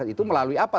itu melalui apa